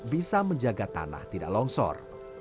bisa menjaga tanah tidak longsor